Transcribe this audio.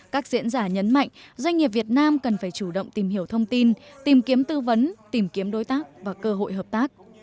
các diễn giả nhấn mạnh doanh nghiệp việt nam cần phải chủ động tìm hiểu thông tin tìm kiếm tư vấn tìm kiếm đối tác và cơ hội hợp tác